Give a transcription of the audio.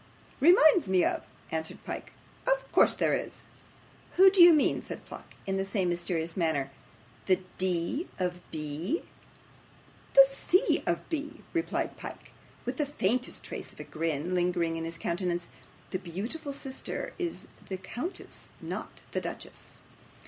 'Reminds me of!' answered Pyke. 'Of course there is.' 'Who do you mean?' said Pluck, in the same mysterious manner. 'The D. of B.?' 'The C. of B.,' replied Pyke, with the faintest trace of a grin lingering in his countenance. 'The beautiful sister is the countess; not the duchess.